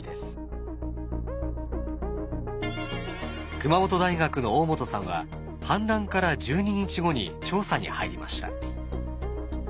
熊本大学の大本さんは氾濫から１２日後に調査に入りました。